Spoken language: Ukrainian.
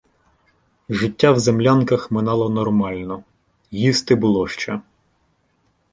Життя в землянках минало нормально, їсти було що.